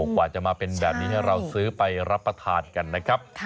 กว่าจะมาเป็นแบบนี้ให้เราซื้อไปรับประทานกันนะครับ